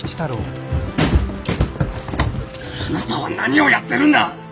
あなたは何をやってるんだ！